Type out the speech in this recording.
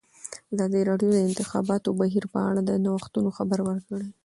ازادي راډیو د د انتخاباتو بهیر په اړه د نوښتونو خبر ورکړی.